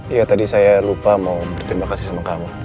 iya tadi saya lupa mau berterima kasih sama kamu